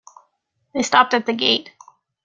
They stopped at the gate.